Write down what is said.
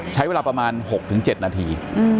ใช้เวลาประมาณ๖๗นาที